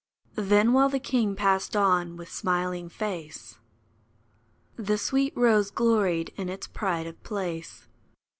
Then, while the king passed on with smiling face. The sweet rose gloried in its pride of place.